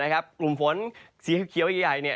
กลุ่มฝนสีเขียวใหญ่